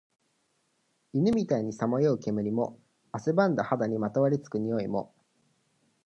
犬みたいにさまよう煙も、汗ばんだ肌にまとわり付く臭いも、